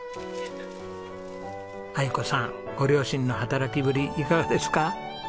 亜由子さんご両親の働きぶりいかがですか？